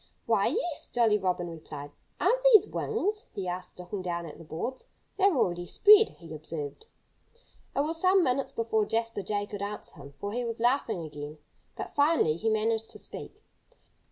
"Why, yes!" Jolly Robin replied. "Aren't these wings?" he asked, looking down at the boards. "They're already spread," he observed. It was some minutes before Jasper Jay could answer him, for he was laughing again. But finally he managed to speak.